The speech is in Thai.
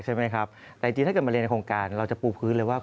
ยากจริงกลัว